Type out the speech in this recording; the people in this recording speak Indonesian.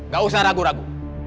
gak usah ragu ragu